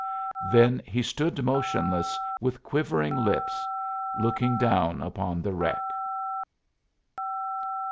Then he stood motionless, with quivering lips, looking down upon the wreck.